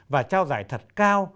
và trao giải thật cao